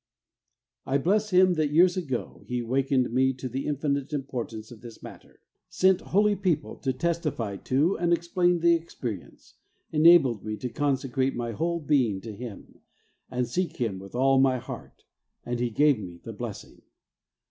I bless Him that years ago He wakened me to the infinite importance of this matter, sent holy people to testify to and explain the experience, enabled me to consecrate my 14 the way of holiness whole being to Him, and seek Him with all my heart, and He gave me the blessing.